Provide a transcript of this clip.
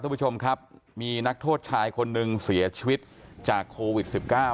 คุณผู้ชมครับมีนักโทษชายคนหนึ่งเสียชีวิตจากโควิด๑๙